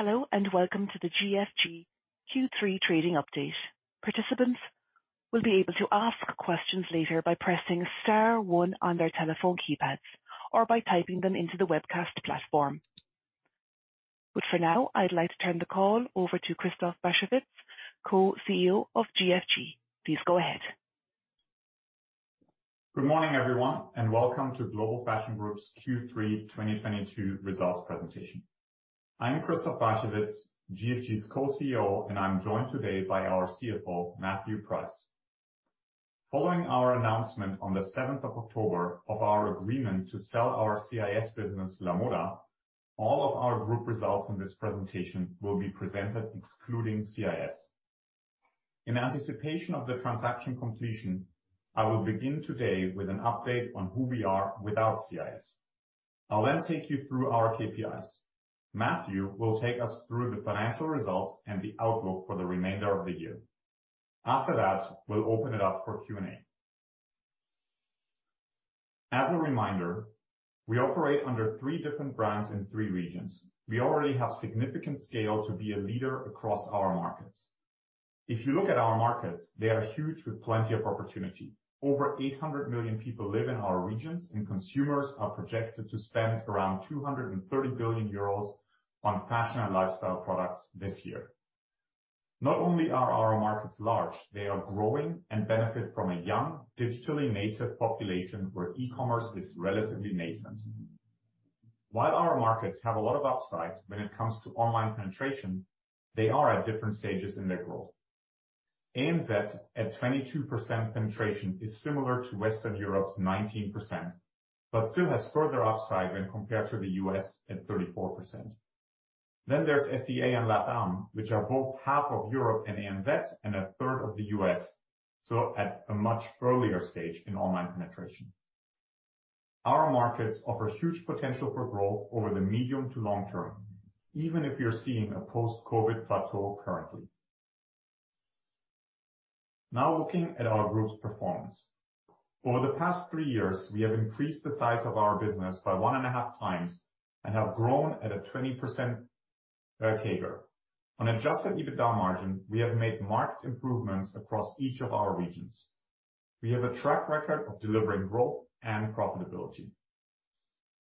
Hello, welcome to the GFG Q3 trading update. Participants will be able to ask questions later by pressing star one on their telephone keypads or by typing them into the webcast platform. For now, I'd like to turn the call over to Christoph Barchewitz, co-CEO of GFG. Please go ahead. Good morning, everyone, welcome to Global Fashion Group's Q3 2022 results presentation. I'm Christoph Barchewitz, GFG's co-CEO, and I'm joined today by our CFO, Matthew Price. Following our announcement on the 7th of October of our agreement to sell our CIS business, Lamoda, all of our group results in this presentation will be presented excluding CIS. In anticipation of the transaction completion, I will begin today with an update on who we are without CIS. I'll take you through our KPIs. Matthew will take us through the financial results and the outlook for the remainder of the year. After that, we'll open it up for Q&A. As a reminder, we operate under three different brands in three regions. We already have significant scale to be a leader across our markets. If you look at our markets, they are huge with plenty of opportunity. Over 800 million people live in our regions. Consumers are projected to spend around 230 billion euros on fashion and lifestyle products this year. Not only are our markets large, they are growing and benefit from a young, digitally native population where e-commerce is relatively nascent. While our markets have a lot of upside when it comes to online penetration, they are at different stages in their growth. ANZ at 22% penetration is similar to Western Europe's 19%, still has further upside when compared to the U.S. at 34%. There's SEA and LatAm, which are both half of Europe and ANZ and a third of the U.S., at a much earlier stage in online penetration. Our markets offer huge potential for growth over the medium to long term, even if we are seeing a post-COVID plateau currently. Looking at our group's performance. Over the past three years, we have increased the size of our business by one and a half times and have grown at a 20% CAGR. On adjusted EBITDA margin, we have made marked improvements across each of our regions. We have a track record of delivering growth and profitability.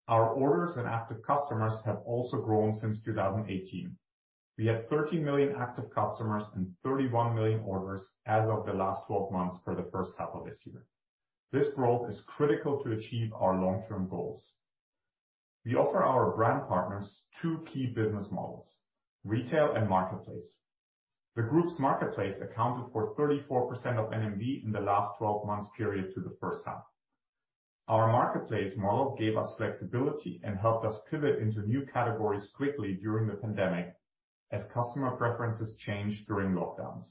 Our orders and active customers have also grown since 2018. We had 13 million active customers and 31 million orders as of the last 12 months for the first half of this year. This growth is critical to achieve our long-term goals. We offer our brand partners two key business models, retail and marketplace. The group's marketplace accounted for 34% of NMV in the last 12 months period to the first half. Our marketplace model gave us flexibility and helped us pivot into new categories quickly during the pandemic as customer preferences changed during lockdowns.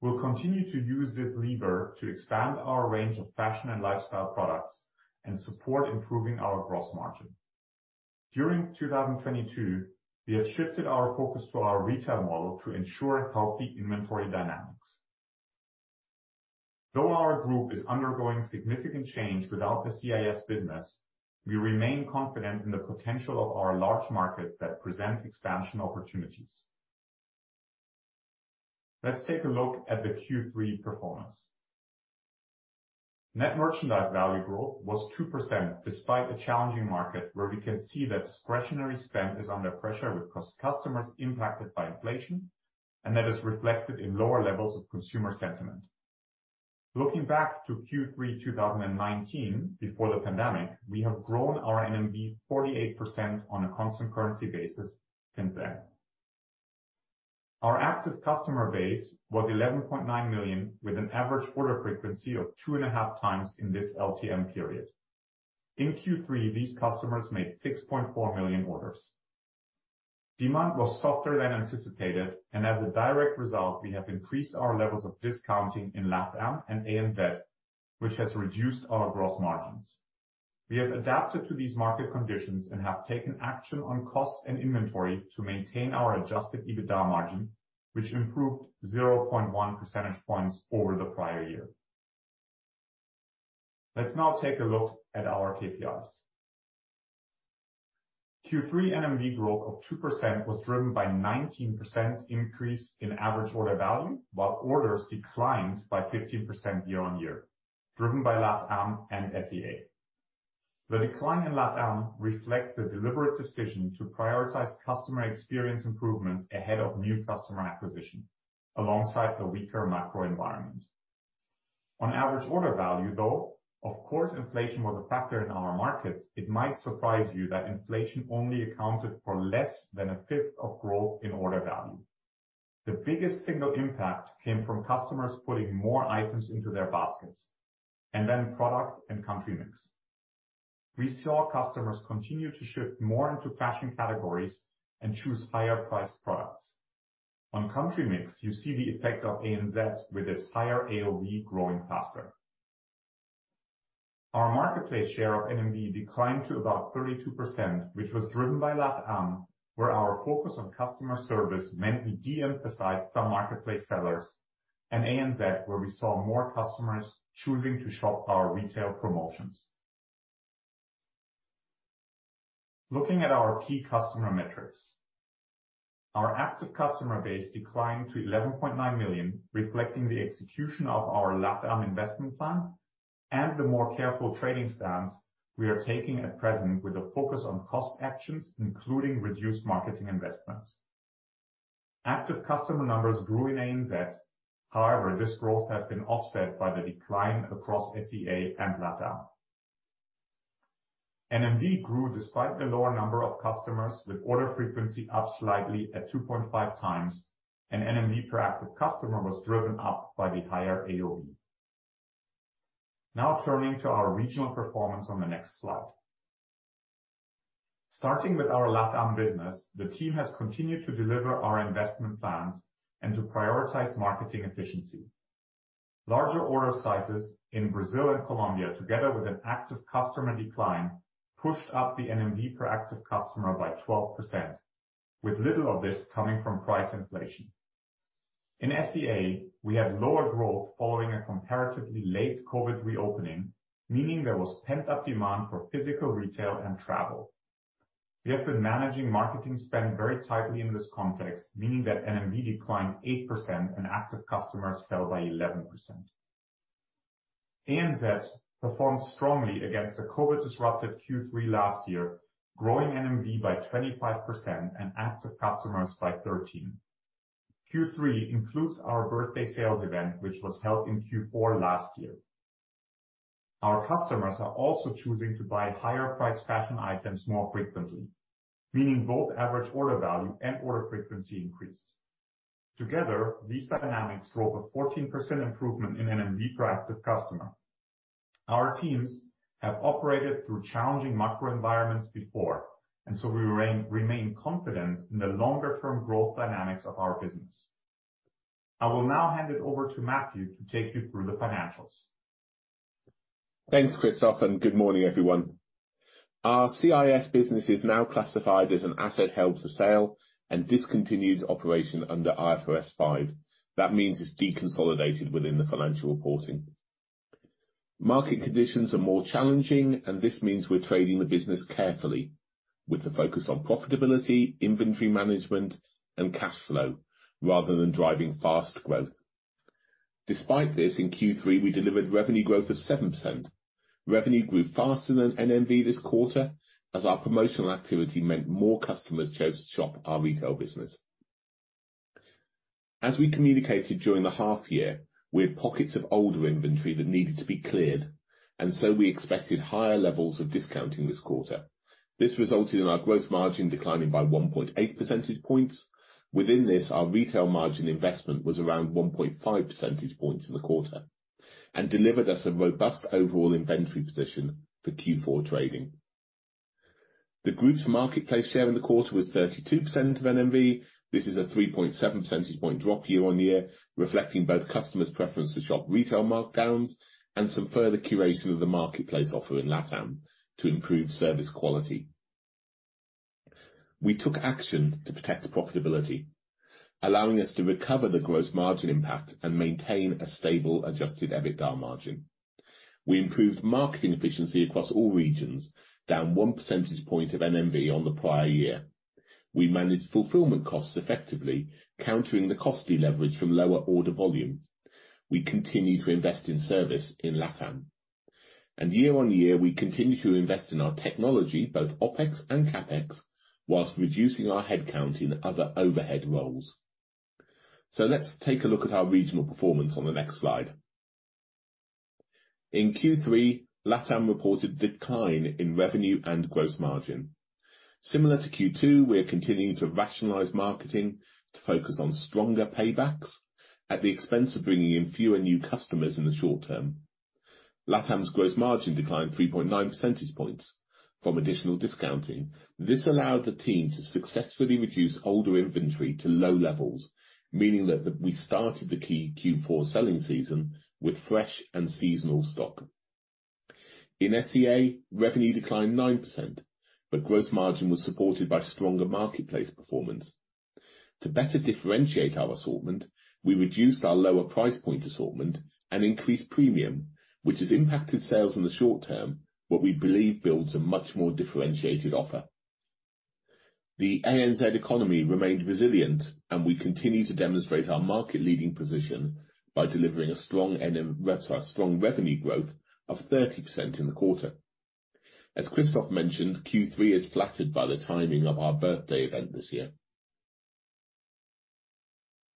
We'll continue to use this lever to expand our range of fashion and lifestyle products and support improving our gross margin. During 2022, we have shifted our focus to our retail model to ensure healthy inventory dynamics. Our group is undergoing significant change without the CIS business, we remain confident in the potential of our large markets that present expansion opportunities. Let's take a look at the Q3 performance. Net merchandise value growth was 2% despite a challenging market where we can see that discretionary spend is under pressure because customers impacted by inflation, and that is reflected in lower levels of consumer sentiment. Looking back to Q3 2019, before the pandemic, we have grown our NMV 48% on a constant currency basis since then. Our active customer base was 11.9 million with an average order frequency of two and a half times in this LTM period. In Q3, these customers made 6.4 million orders. Demand was softer than anticipated. As a direct result, we have increased our levels of discounting in LatAm and ANZ, which has reduced our gross margins. We have adapted to these market conditions and have taken action on cost and inventory to maintain our adjusted EBITDA margin, which improved 0.1 percentage points over the prior year. Let's now take a look at our KPIs. Q3 NMV growth of 2% was driven by 19% increase in average order value, while orders declined by 15% year-on-year, driven by LatAm and SEA. The decline in LatAm reflects a deliberate decision to prioritize customer experience improvements ahead of new customer acquisition, alongside a weaker macro environment. On average order value, of course, inflation was a factor in our markets. It might surprise you that inflation only accounted for less than a fifth of growth in order value. The biggest single impact came from customers putting more items into their baskets. Product and country mix. We saw customers continue to shift more into fashion categories and choose higher priced products. On country mix, you see the effect of ANZ with its higher AOV growing faster. Our marketplace share of NMV declined to about 32%, which was driven by LatAm, where our focus on customer service meant we de-emphasized some marketplace sellers. ANZ, where we saw more customers choosing to shop our retail promotions. Looking at our key customer metrics. Our active customer base declined to 11.9 million, reflecting the execution of our LatAm investment plan and the more careful trading stance we are taking at present with a focus on cost actions, including reduced marketing investments. Active customer numbers grew in ANZ. This growth has been offset by the decline across SEA and LatAm. NMV grew despite the lower number of customers, with order frequency up slightly at 2.5 times, and NMV per active customer was driven up by the higher AOV. Turning to our regional performance on the next slide. Starting with our LatAm business, the team has continued to deliver our investment plans and to prioritize marketing efficiency. Larger order sizes in Brazil and Colombia, together with an active customer decline, pushed up the NMV per active customer by 12%, with little of this coming from price inflation. SEA, we had lower growth following a comparatively late COVID reopening, meaning there was pent-up demand for physical retail and travel. We have been managing marketing spend very tightly in this context, meaning that NMV declined 8% and active customers fell by 11%. ANZ performed strongly against the COVID-disrupted Q3 last year, growing NMV by 25% and active customers by 13. Q3 includes our birthday sales event, which was held in Q4 last year. Our customers are also choosing to buy higher-priced fashion items more frequently, meaning both average order value and order frequency increased. Together, these dynamics drove a 14% improvement in NMV per active customer. We remain confident in the longer-term growth dynamics of our business. I will now hand it over to Matthew to take you through the financials. Thanks, Christoph, and good morning everyone. Our CIS business is now classified as an asset held for sale and discontinues operation under IFRS 5. That means it's deconsolidated within the financial reporting. Market conditions are more challenging. This means we're trading the business carefully with a focus on profitability, inventory management and cash flow, rather than driving fast growth. Despite this, in Q3, we delivered revenue growth of 7%. Revenue grew faster than NMV this quarter, as our promotional activity meant more customers chose to shop our retail business. As we communicated during the half year, we had pockets of older inventory that needed to be cleared. We expected higher levels of discounting this quarter. This resulted in our gross margin declining by 1.8 percentage points. Within this, our retail margin investment was around 1.5 percentage points in the quarter and delivered us a robust overall inventory position for Q4 trading. The group's marketplace share in the quarter was 32% of NMV. This is a 3.7 percentage point drop year-on-year, reflecting both customers' preference to shop retail markdowns and some further curation of the marketplace offer in LatAm to improve service quality. We took action to protect profitability, allowing us to recover the gross margin impact and maintain a stable adjusted EBITDA margin. We improved marketing efficiency across all regions, down one percentage point of NMV on the prior year. We managed fulfillment costs effectively, countering the costly leverage from lower order volume. We continue to invest in service in LatAm. Year-on-year, we continue to invest in our technology, both OpEx and CapEx, whilst reducing our headcount in other overhead roles. Let's take a look at our regional performance on the next slide. In Q3, LatAm reported decline in revenue and gross margin. Similar to Q2, we are continuing to rationalize marketing to focus on stronger paybacks at the expense of bringing in fewer new customers in the short term. LatAm's gross margin declined 3.9 percentage points from additional discounting. This allowed the team to successfully reduce older inventory to low levels, meaning that we started the key Q4 selling season with fresh and seasonal stock. In SEA, revenue declined 9%, but gross margin was supported by stronger marketplace performance. To better differentiate our assortment, we reduced our lower price point assortment and increased premium, which has impacted sales in the short term, but we believe builds a much more differentiated offer. The ANZ economy remained resilient, and we continue to demonstrate our market leading position by delivering a strong revenue growth of 30% in the quarter. As Christoph mentioned, Q3 is flattered by the timing of our birthday event this year.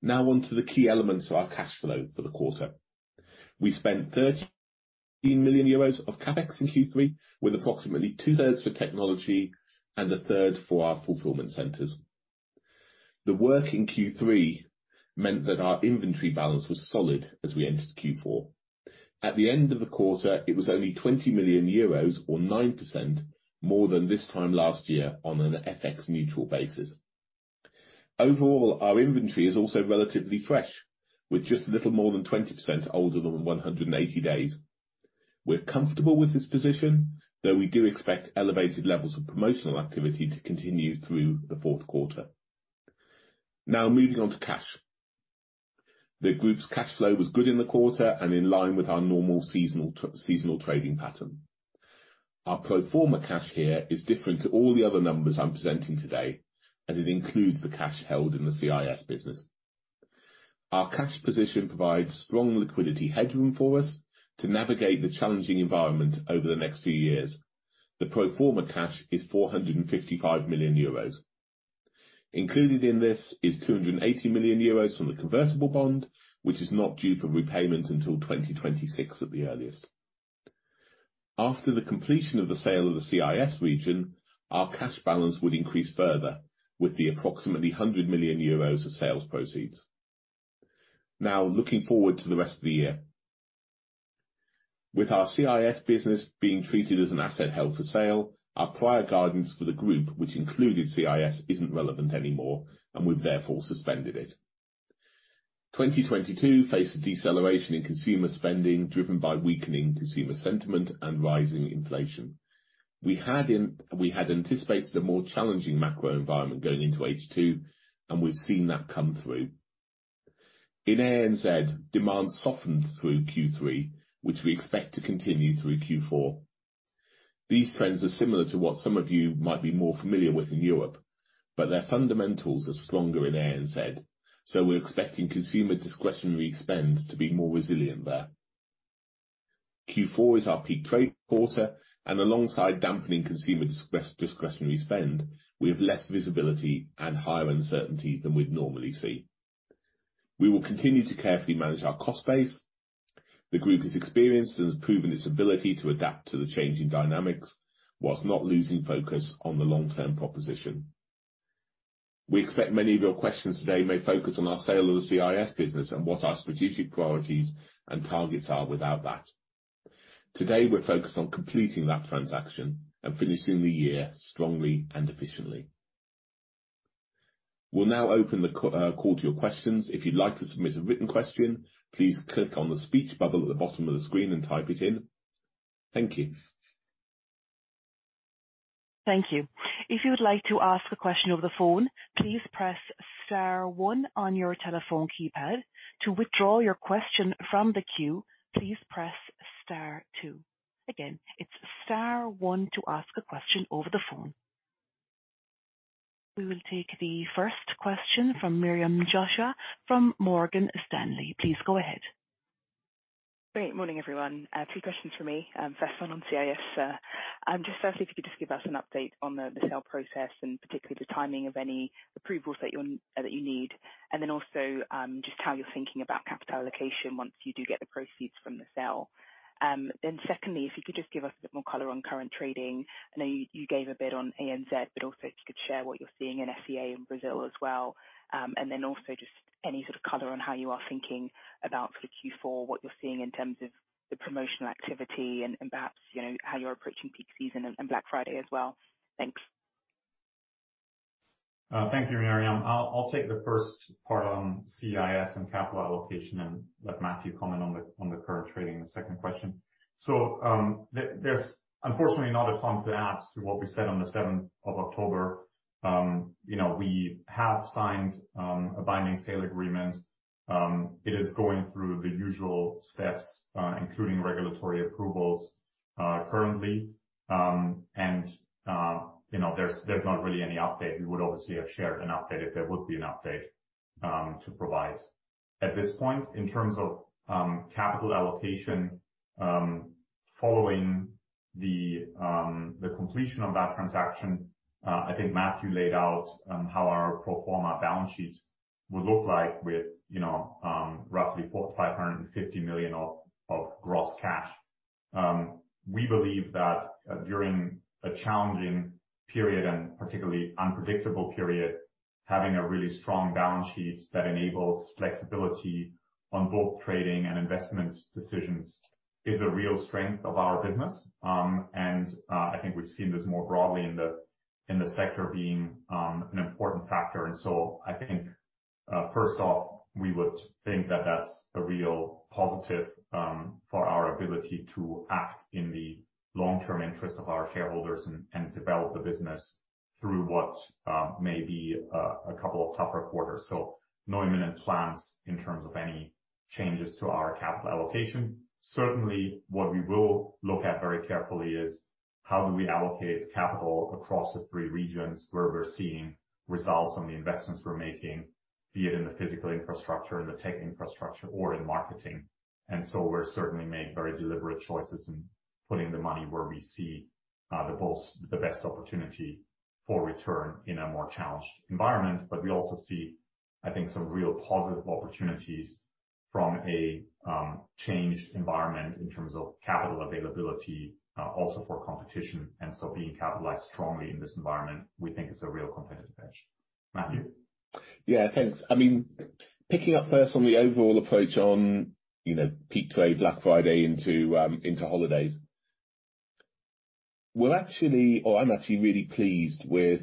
On to the key elements of our cash flow for the quarter. We spent 13 million euros of CapEx in Q3, with approximately two-thirds for technology and a third for our fulfillment centers. The work in Q3 meant that our inventory balance was solid as we entered Q4. At the end of the quarter, it was only 20 million euros, or 9% more than this time last year on an FX neutral basis. Overall, our inventory is also relatively fresh, with just a little more than 20% older than 180 days. We're comfortable with this position, though we do expect elevated levels of promotional activity to continue through the fourth quarter. Moving on to cash. The group's cash flow was good in the quarter and in line with our normal seasonal trading pattern. Our pro forma cash here is different to all the other numbers I'm presenting today, as it includes the cash held in the CIS business. Our cash position provides strong liquidity headroom for us to navigate the challenging environment over the next few years. The pro forma cash is 455 million euros. Included in this is 280 million euros from the convertible bond, which is not due for repayment until 2026 at the earliest. After the completion of the sale of the CIS region, our cash balance would increase further with the approximately 100 million euros of sales proceeds. Looking forward to the rest of the year. With our CIS business being treated as an asset held for sale, our prior guidance for the group, which included CIS, isn't relevant anymore, and we've therefore suspended it. 2022 faced a deceleration in consumer spending driven by weakening consumer sentiment and rising inflation. We had anticipated a more challenging macro environment going into H2, and we've seen that come through. In ANZ, demand softened through Q3, which we expect to continue through Q4. These trends are similar to what some of you might be more familiar with in Europe, their fundamentals are stronger in ANZ, so we're expecting consumer discretionary spend to be more resilient there. Q4 is our peak trade quarter, alongside dampening consumer discretionary spend, we have less visibility and higher uncertainty than we'd normally see. We will continue to carefully manage our cost base. The group has experience and has proven its ability to adapt to the changing dynamics whilst not losing focus on the long-term proposition. We expect many of your questions today may focus on our sale of the CIS business and what our strategic priorities and targets are without that. Today, we're focused on completing that transaction and finishing the year strongly and efficiently. We'll now open the call to your questions. If you'd like to submit a written question, please click on the speech bubble at the bottom of the screen and type it in. Thank you. Thank you. If you would like to ask a question over the phone, please press star one on your telephone keypad. To withdraw your question from the queue, please press star two. Again, it's star one to ask a question over the phone. We will take the first question from Miriam Sherazi from Morgan Stanley. Please go ahead. Great morning, everyone. Two questions for me. First one on CIS. Firstly, could you just give us an update on the sale process and particularly the timing of any approvals that you need? Also, just how you're thinking about capital allocation once you do get the proceeds from the sale. Secondly, if you could just give us a bit more color on current trading. I know you gave a bit on ANZ, but also if you could share what you're seeing in SEA and Brazil as well, and then also just any sort of color on how you are thinking about for Q4, what you're seeing in terms of the promotional activity and perhaps, how you're approaching peak season and Black Friday as well. Thanks. Thank you, Miriam. I'll take the first part on CIS and capital allocation and let Matthew comment on the current trading, the second question. There's unfortunately not a ton to add to what we said on the seventh of October. We have signed a binding sale agreement. It is going through the usual steps, including regulatory approvals currently. There's not really any update. We would obviously have shared an update if there would be an update to provide. At this point, in terms of capital allocation following the completion of that transaction, I think Matthew laid out how our pro forma balance sheet would look like with roughly 550 million of gross cash. We believe that during a challenging period and particularly unpredictable period, having a really strong balance sheet that enables flexibility on both trading and investment decisions is a real strength of our business. I think we've seen this more broadly in the sector being an important factor. I think first off, we would think that that's a real positive for our ability to act in the long-term interest of our shareholders and develop the business through what may be a couple of tougher quarters. No imminent plans in terms of any changes to our capital allocation. Certainly what we will look at very carefully is how do we allocate capital across the three regions where we're seeing results on the investments we're making, be it in the physical infrastructure, in the tech infrastructure or in marketing. We certainly make very deliberate choices in putting the money where we see the best opportunity for return in a more challenged environment. We also see, I think, some real positive opportunities from a changed environment in terms of capital availability also for competition. Being capitalized strongly in this environment, we think is a real competitive edge. Matthew. Yeah, thanks. Picking up first on the overall approach on peak trade, Black Friday into holidays. Well, actually, I'm actually really pleased with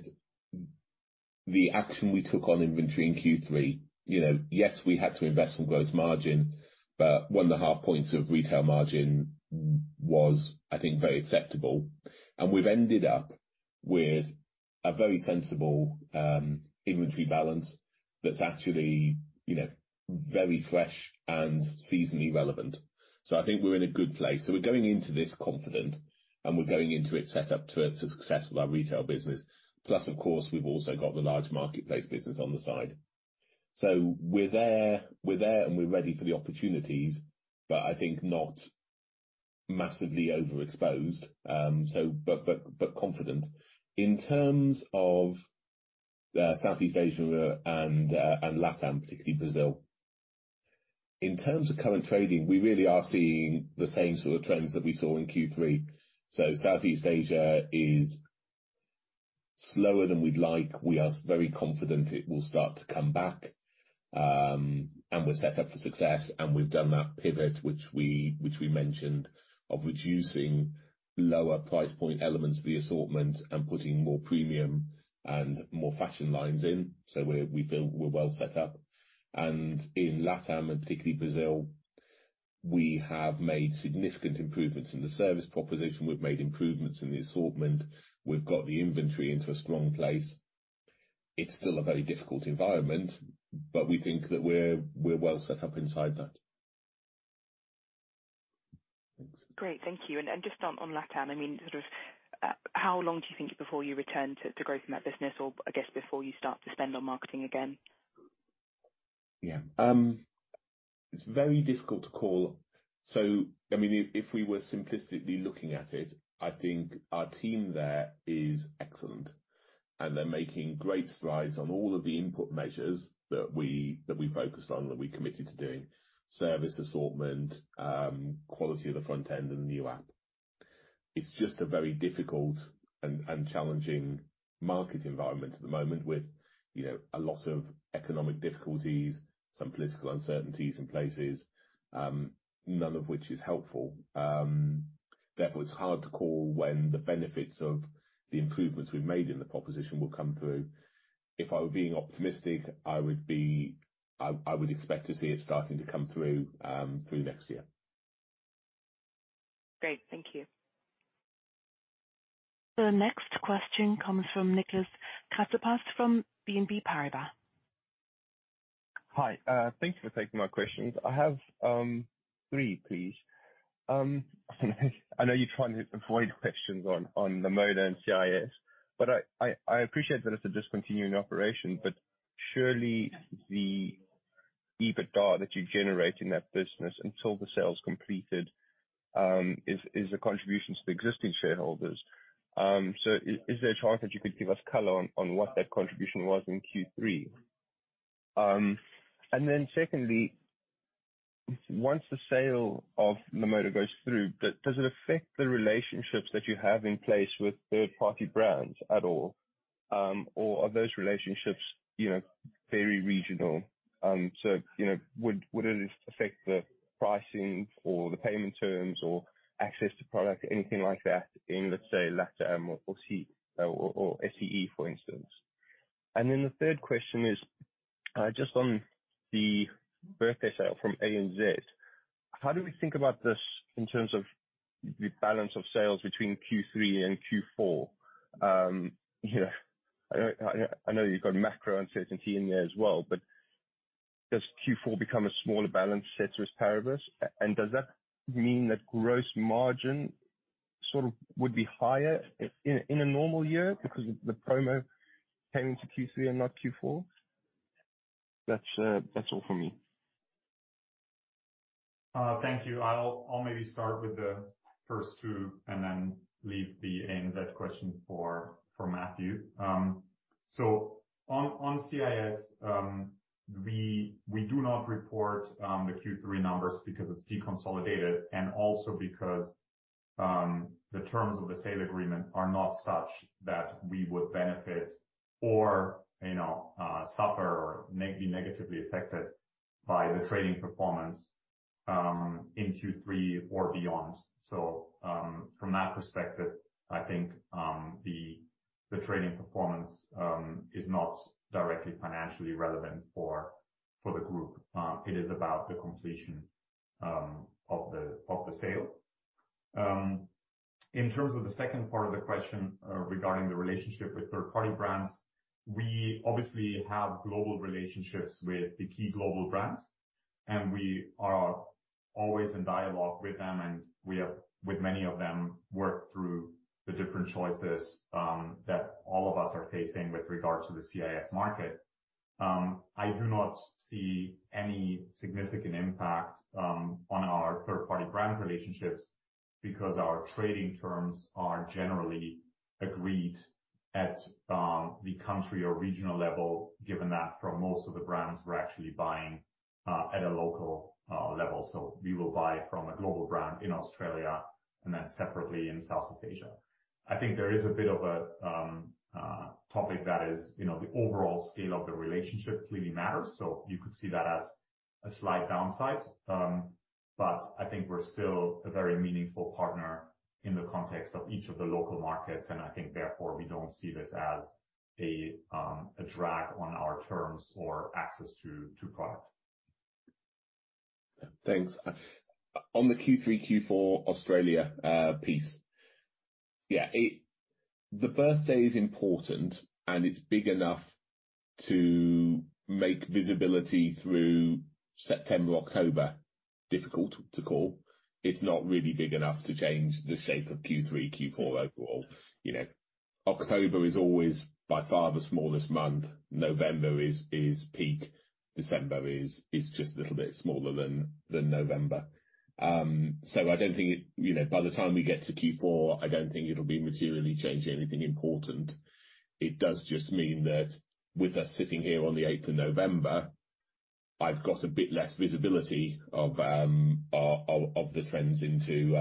the action we took on inventory in Q3. Yes, we had to invest in gross margin, but one and a half points of retail margin was, I think, very acceptable. We've ended up with a very sensible inventory balance that's actually very fresh and seasonally relevant. I think we're in a good place. We're going into this confident, and we're going into it set up to success with our retail business. Plus, of course, we've also got the large marketplace business on the side. We're there, and we're ready for the opportunities, but I think not massively overexposed, but confident. In terms of Southeast Asia and LatAm, particularly Brazil. In terms of current trading, we really are seeing the same sort of trends that we saw in Q3. Southeast Asia is slower than we'd like. We are very confident it will start to come back, and we're set up for success, and we've done that pivot which we mentioned, of reducing lower price point elements of the assortment and putting more premium and more fashion lines in. We feel we're well set up. In LatAm, and particularly Brazil, we have made significant improvements in the service proposition. We've made improvements in the assortment. We've got the inventory into a strong place. It's still a very difficult environment, but we think that we're well set up inside that. Thanks. Great. Thank you. Just on LatAm, how long do you think before you return to growth in that business or, I guess, before you start to spend on marketing again? Yeah. It's very difficult to call. If we were simplistically looking at it, I think our team there is excellent, and they're making great strides on all of the input measures that we focused on, that we committed to doing. Service assortment, quality of the front end, and the new app. It's just a very difficult and challenging market environment at the moment with a lot of economic difficulties, some political uncertainties in places, none of which is helpful. Therefore, it's hard to call when the benefits of the improvements we've made in the proposition will come through. If I were being optimistic, I would expect to see it starting to come through next year. Great. Thank you. The next question comes from Nicolas Kypraios from BNP Paribas. Hi, thanks for taking my questions. I have three, please. I know you're trying to avoid questions on the Lamoda, but I appreciate that it's a discontinuing operation, but surely the EBITDA that you generate in that business until the sale is completed is a contribution to the existing shareholders. Is there a chance that you could give us color on what that contribution was in Q3? Secondly, once the sale of the Lamoda goes through, does it affect the relationships that you have in place with third-party brands at all? Or are those relationships very regional? Would it affect the pricing or the payment terms or access to product, anything like that in, let's say, LatAm or SEA, for instance? The third question is, just on the birthday sale from ANZ, how do we think about this in terms of the balance of sales between Q3 and Q4? I know you've got macro uncertainty in there as well, but does Q4 become a smaller balance, ceteris paribus? Does that mean that gross margin sort of would be higher in a normal year because of the promo came into Q3 and not Q4? That's all from me. Thank you. I'll maybe start with the first two and then leave the ANZ question for Matthew. On CIS, we do not report the Q3 numbers because it's deconsolidated and also because the terms of the sale agreement are not such that we would benefit or suffer or be negatively affected by the trading performance in Q3 or beyond. From that perspective, I think the trading performance is not directly financially relevant for the group. It is about the completion of the sale. In terms of the second part of the question regarding the relationship with third-party brands, we obviously have global relationships with the key global brands, and we are always in dialogue with them. We have, with many of them, worked through the different choices that all of us are facing with regard to the CIS market. I do not see any significant impact on our third-party brands relationships because our trading terms are generally agreed at the country or regional level, given that for most of the brands, we're actually buying at a local level. We will buy from a global brand in Australia and then separately in Southeast Asia. I think there is a bit of a topic that is the overall scale of the relationship clearly matters. You could see that as a slight downside, but I think we're still a very meaningful partner in the context of each of the local markets, I think, therefore, we don't see this as a drag on our terms or access to product. Thanks. On the Q3, Q4 Australia piece. The birthday is important, and it's big enough to make visibility through September, October, difficult to call. It's not really big enough to change the shape of Q3, Q4 overall. October is always by far the smallest month. November is peak. December is just a little bit smaller than November. By the time we get to Q4, I don't think it'll be materially changing anything important. It does just mean that with us sitting here on the eighth of November, I've got a bit less visibility of the trends into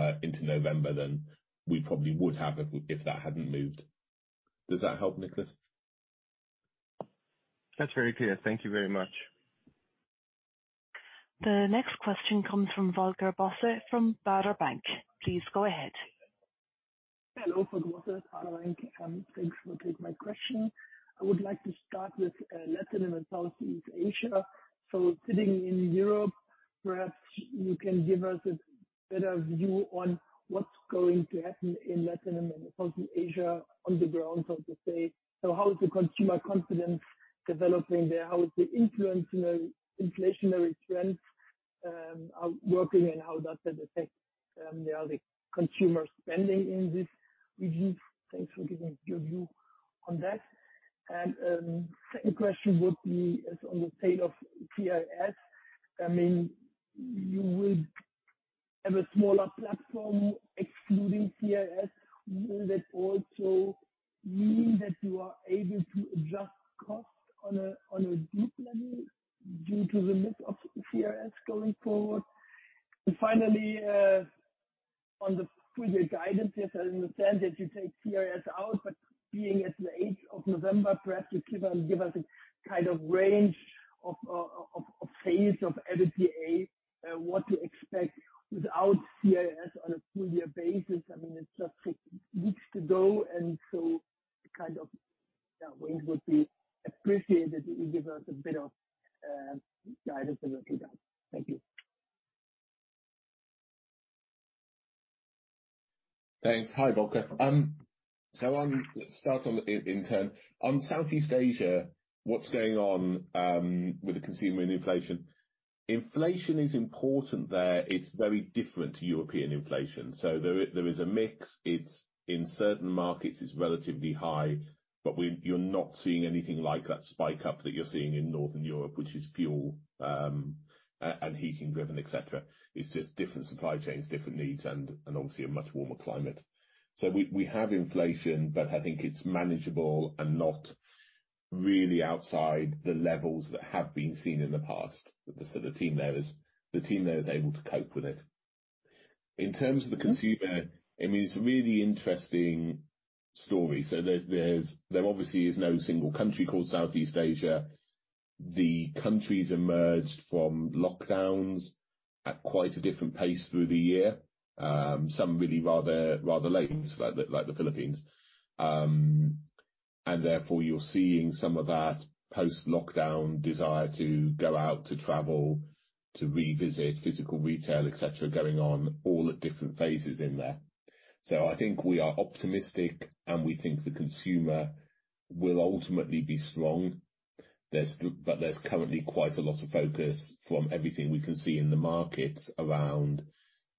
November than we probably would have if that hadn't moved. Does that help, Nicolas? That's very clear. Thank you very much. The next question comes from Volker Bosse of Baader Bank. Please go ahead. Hello. Volker Bosse, Baader Bank. Thanks for taking my question. I would like to start with LatAm and Southeast Asia. Sitting in Europe, perhaps you can give us a better view on what's going to happen in LatAm and Southeast Asia on the ground, so to say. How is the consumer confidence developing there? How is the inflationary trends working and how does that affect the early consumer spending in this region? Thanks for giving your view on that. Second question would be is on the sale of CIS. You would have a smaller platform excluding CIS. Will that also mean that you are able to adjust cost on a deep level due to the mix of CIS going forward? Finally, on the full year guidance, I understand that you take CIS out, being at the eighth of November, perhaps you can give us a kind of range of phase of APA, what to expect without CIS on a full year basis. It's just six weeks to go, a kind of range would be appreciated, if you give us a bit of guidance on that. Thank you. Thanks. Hi, Volker. Let's start in turn. On Southeast Asia, what's going on with the consumer and inflation? Inflation is important there. It's very different to European inflation. There is a mix. In certain markets, it's relatively high, but you're not seeing anything like that spike up that you're seeing in Northern Europe, which is fuel and heating driven, et cetera. It's just different supply chains, different needs, and obviously a much warmer climate. We have inflation, but I think it's manageable and not really outside the levels that have been seen in the past. The team there is able to cope with it. In terms of the consumer, it's a really interesting story. There obviously is no single country called Southeast Asia. The countries emerged from lockdowns at quite a different pace through the year. Some really rather late, like the Philippines. Therefore, you're seeing some of that post-lockdown desire to go out, to travel, to revisit physical retail, et cetera, going on all at different phases in there. I think we are optimistic, and we think the consumer will ultimately be strong, but there's currently quite a lot of focus from everything we can see in the market around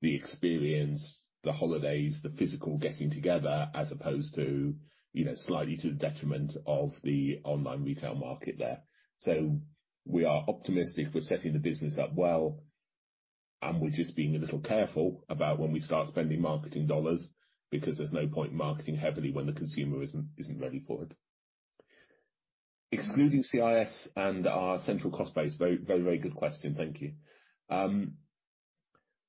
the experience, the holidays, the physical getting together, as opposed to slightly to the detriment of the online retail market there. We are optimistic. We're setting the business up well, and we're just being a little careful about when we start spending marketing EUR, because there's no point in marketing heavily when the consumer isn't ready for it. Excluding CIS and our central cost base, very good question. Thank you.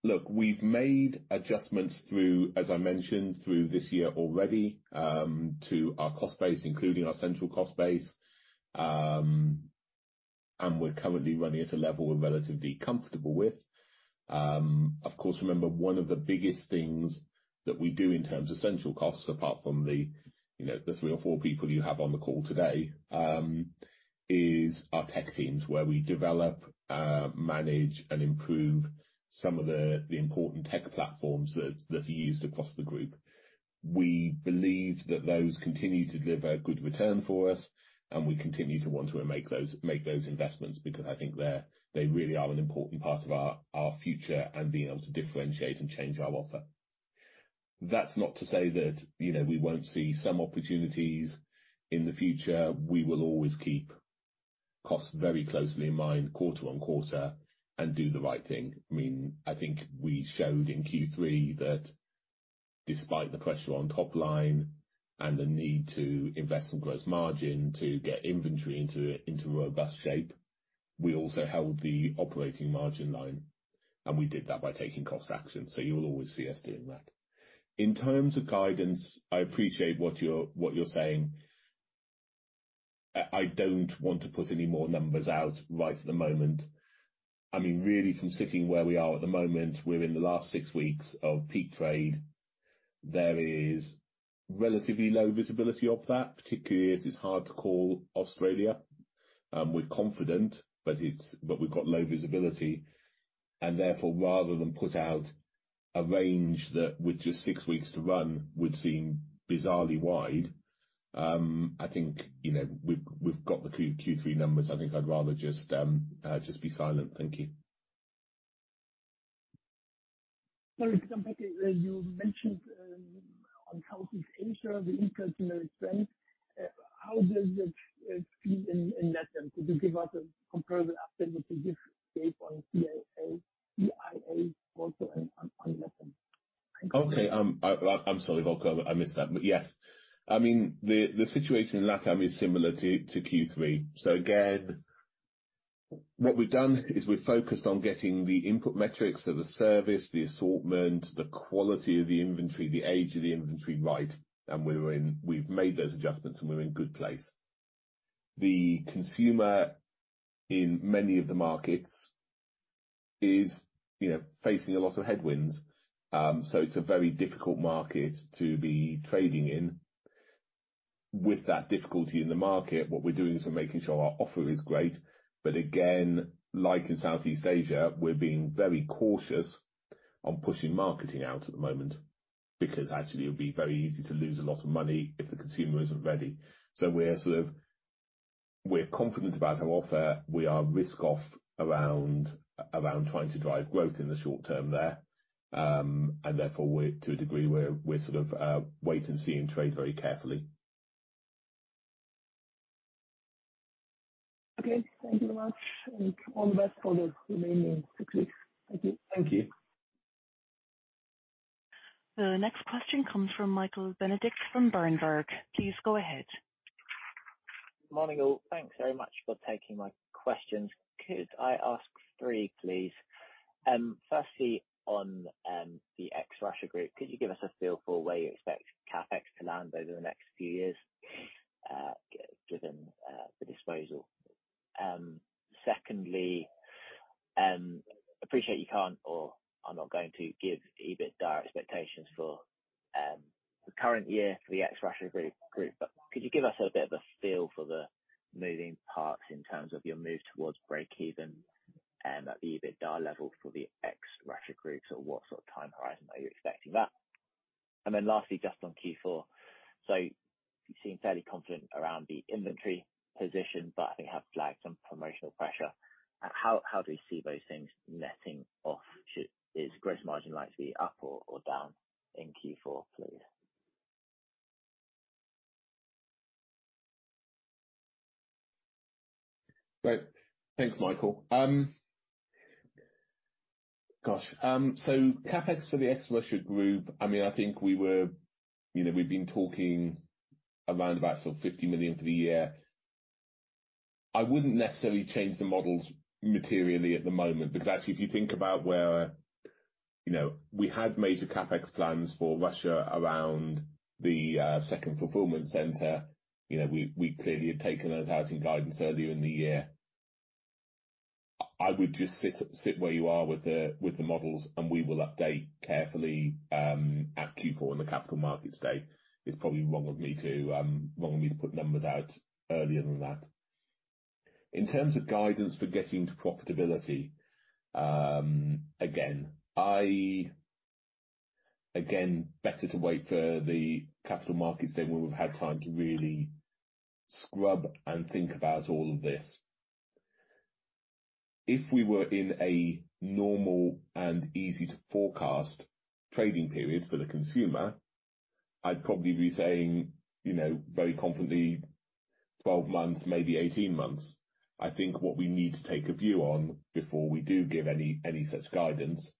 Look, we've made adjustments, as I mentioned, through this year already to our cost base, including our central cost base, and we're currently running at a level we're relatively comfortable with. Of course, remember, one of the biggest things that we do in terms of central costs, apart from the three or four people you have on the call today, is our tech teams, where we develop, manage, and improve some of the important tech platforms that are used across the group. We believe that those continue to deliver a good return for us, and we continue to want to make those investments because I think they really are an important part of our future and being able to differentiate and change our offer. That's not to say that we won't see some opportunities in the future. We will always keep costs very closely in mind quarter on quarter and do the right thing. I think we showed in Q3 that despite the pressure on top line and the need to invest some gross margin to get inventory into robust shape, we also held the operating margin line, and we did that by taking cost action. You will always see us doing that. In terms of guidance, I appreciate what you're saying. I don't want to put any more numbers out right at the moment. Really from sitting where we are at the moment, we're in the last six weeks of peak trade. There is relatively low visibility of that, particularly as it's hard to call Australia. We're confident, but we've got low visibility, and therefore, rather than put out a range that with just six weeks to run would seem bizarrely wide, I think we've got the Q3 numbers. I think I'd rather just be silent. Thank you. Sorry, can I come back? You mentioned on Southeast Asia, the input metrics trend, how does it feed in LatAm? Could you give us a comparable update that you gave on SEA also on LatAm? Thank you. Okay. I'm sorry, Volker, I missed that. Yes. The situation in LatAm is similar to Q3. Again, what we've done is we've focused on getting the input metrics, so the service, the assortment, the quality of the inventory, the age of the inventory right, and we've made those adjustments, and we're in a good place. The consumer in many of the markets is facing a lot of headwinds, so it's a very difficult market to be trading in. With that difficulty in the market, what we're doing is we're making sure our offer is great. But again, like in Southeast Asia, we're being very cautious on pushing marketing out at the moment, because actually it would be very easy to lose a lot of money if the consumer isn't ready. We're confident about our offer. We are risk off around trying to drive growth in the short term there. Therefore, to a degree, we're sort of wait and seeing trade very carefully. Okay. Thank you very much, and all the best for the remaining six weeks. Thank you. Thank you. The next question comes from Michael Benedict from Berenberg. Please go ahead. Morning, all. Thanks very much for taking my questions. Could I ask three, please? Firstly, on the ex Russia group, could you give us a feel for where you expect CapEx to land over the next few years, given the disposal? Secondly, appreciate you can't or are not going to give EBITDA expectations for the current year for the ex Russia group, but could you give us a bit of a feel for the moving parts in terms of your move towards breakeven at the EBITDA level for the ex Russia group? What sort of time horizon are you expecting that? Lastly, just on Q4, so you seem fairly confident around the inventory position, but I think have flagged some promotional pressure. How do you see those things netting off? Is gross margin likely to be up or down in Q4, please? Great. Thanks, Michael. CapEx for the ex Russia group, I think we've been talking around about sort of 50 million for the year. I wouldn't necessarily change the models materially at the moment because actually, if you think about where we had major CapEx plans for Russia around the second fulfillment center, we clearly had taken those out in guidance earlier in the year. I would just sit where you are with the models, and we will update carefully at Q4 on the Capital Markets Day. It's probably wrong of me to put numbers out earlier than that. In terms of guidance for getting to profitability, again, better to wait for the Capital Markets Day when we've had time to really scrub and think about all of this. If we were in a normal and easy-to-forecast trading period for the consumer, I'd probably be saying very confidently 12 months, maybe 18 months. I think what we need to take a view on before we do give any such guidance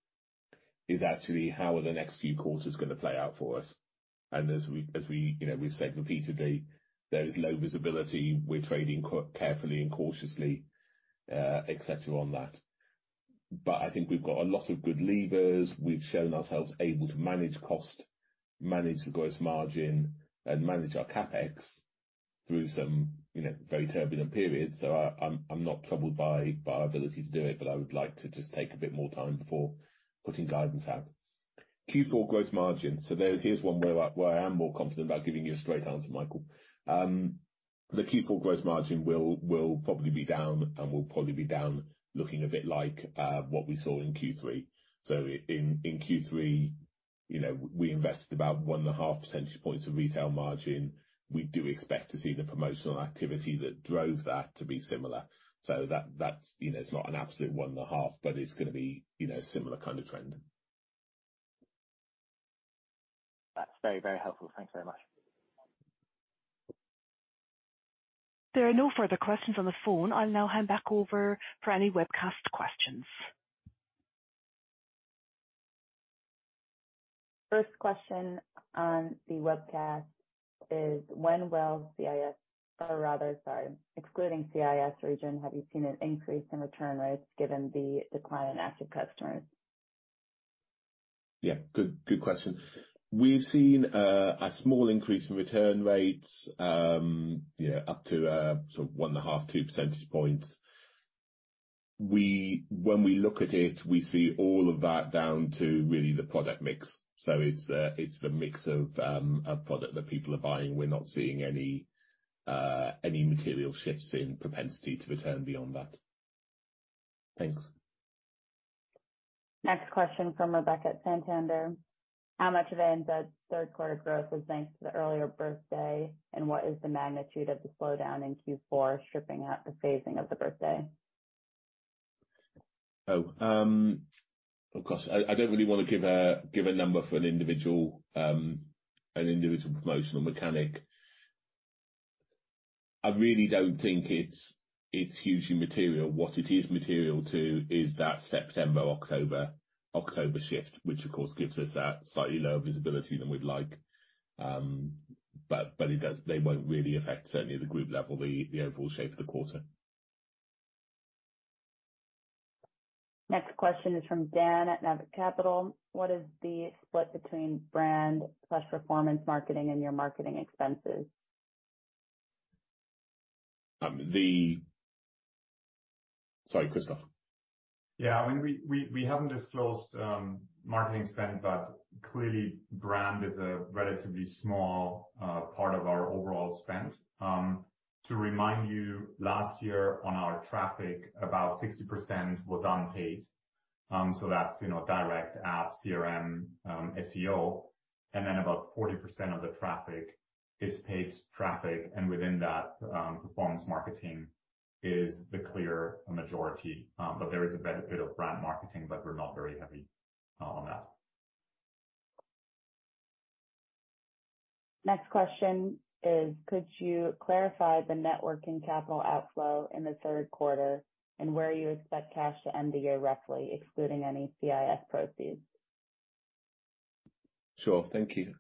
is actually how are the next few quarters going to play out for us? As we've said repeatedly, there is low visibility. We're trading carefully and cautiously, et cetera, on that. I think we've got a lot of good levers. We've shown ourselves able to manage cost, manage the gross margin, and manage our CapEx through some very turbulent periods. I'm not troubled by our ability to do it, but I would like to just take a bit more time before putting guidance out. Q4 gross margin. There, here's one where I am more confident about giving you a straight answer, Michael. The Q4 gross margin will probably be down and will probably be down looking a bit like what we saw in Q3. In Q3, we invested about one and a half percentage points of retail margin. We do expect to see the promotional activity that drove that to be similar. It's not an absolute one and a half, but it's going to be a similar kind of trend. That's very, very helpful. Thank you very much. There are no further questions on the phone. I'll now hand back over for any webcast questions. First question on the webcast is, when will CIS, or rather, sorry, excluding CIS region, have you seen an increase in return rates given the decline in active customers? Yeah. Good question. We've seen a small increase in return rates, up to sort of 1.5, two percentage points. When we look at it, we see all of that down to really the product mix. It's the mix of product that people are buying. We're not seeing any material shifts in propensity to return beyond that. Thanks. Next question from Rebecca at Santander. How much of the embed third quarter growth was thanks to the earlier birthday, and what is the magnitude of the slowdown in Q4 stripping out the phasing of the birthday? Of course, I don't really want to give a number for an individual promotional mechanic. I really don't think it's hugely material. What it is material to is that September, October shift, which of course gives us that slightly lower visibility than we'd like. They won't really affect certainly the group level, the overall shape of the quarter. Next question is from Dan at Navis Capital. What is the split between brand plus performance marketing and your marketing expenses? Sorry, Christoph. We haven't disclosed marketing spend, clearly brand is a relatively small part of our overall spend. To remind you, last year on our traffic, about 60% was unpaid. That's direct app, CRM, SEO, and then about 40% of the traffic is paid traffic and within that, performance marketing is the clear majority. There is a benefit of brand marketing, but we're not very heavy on that. Next question is, could you clarify the net working capital outflow in the third quarter and where you expect cash to end the year roughly excluding any CIS proceeds? Sure. Thank you.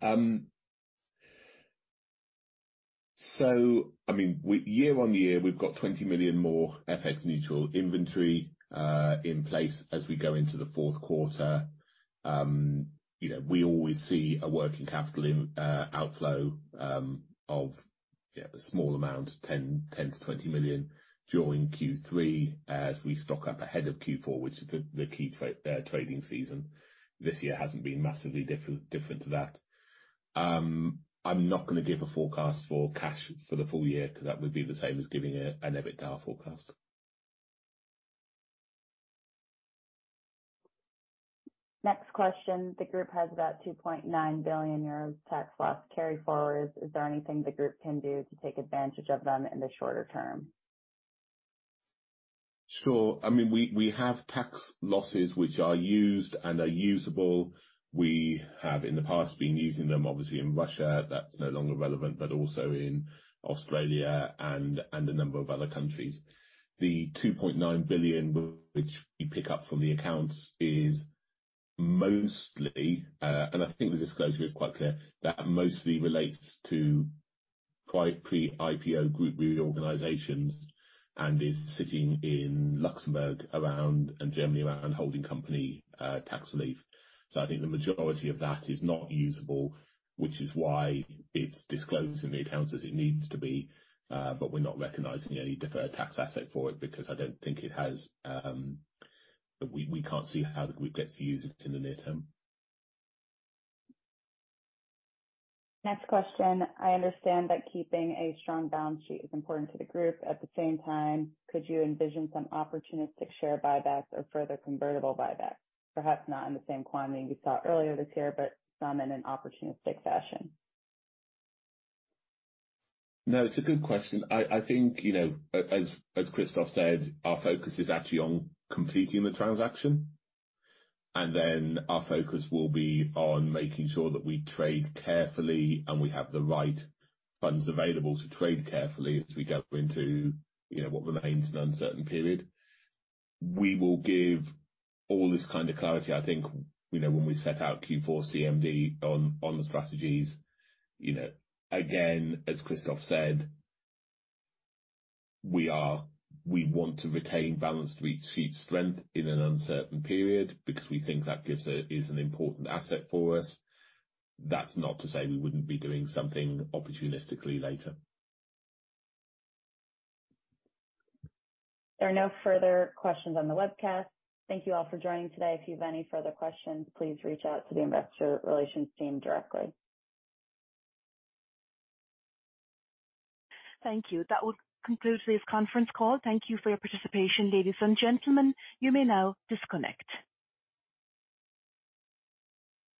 Year-on-year, we've got 20 million more FX neutral inventory in place as we go into the fourth quarter. We always see a working capital outflow of a small amount, 10 million-20 million during Q3 as we stock up ahead of Q4, which is the key trading season. This year hasn't been massively different to that. I'm not going to give a forecast for cash for the full year because that would be the same as giving an EBITDA forecast. Next question. The group has about 2.9 billion euros tax loss carry-forwards. Is there anything the group can do to take advantage of them in the shorter term? Sure. We have tax losses which are used and are usable. We have in the past been using them obviously in Russia, that's no longer relevant, but also in Australia and a number of other countries. The 2.9 billion which we pick up from the accounts is mostly, and I think the disclosure is quite clear, that mostly relates to pre-IPO group reorganizations and is sitting in Luxembourg and Germany around holding company tax relief. I think the majority of that is not usable, which is why it's disclosed in the accounts as it needs to be. We're not recognizing any deferred tax asset for it because we can't see how the group gets to use it in the near term. Next question. I understand that keeping a strong balance sheet is important to the group. At the same time, could you envision some opportunistic share buybacks or further convertible buybacks? Perhaps not in the same quantity we saw earlier this year, but some in an opportunistic fashion. No, it's a good question. I think, as Christoph said, our focus is actually on completing the transaction, and then our focus will be on making sure that we trade carefully and we have the right funds available to trade carefully as we go into what remains an uncertain period. We will give all this kind of clarity, I think, when we set out Q4 CMD on the strategies. Again, as Christoph said, we want to retain balance sheet strength in an uncertain period because we think that is an important asset for us. That's not to say we wouldn't be doing something opportunistically later. There are no further questions on the webcast. Thank you all for joining today. If you have any further questions, please reach out to the investor relations team directly. Thank you. That will conclude today's conference call. Thank you for your participation, ladies and gentlemen. You may now disconnect.